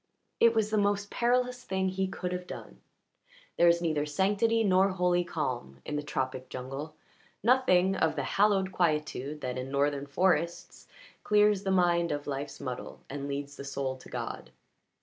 It was the most perilous thing he could have done. There is neither sanctity nor holy calm in the tropic jungle, nothing of the hallowed quietude that, in northern forests, clears the mind of life's muddle and leads the soul to God.